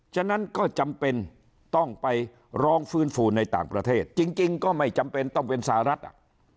ฉะนั้นก็จำเป็นต้องไปร้องฟื้นฟูในต่างประเทศจริงก็ไม่จำเป็นต้องเป็นสหรัฐอ่ะ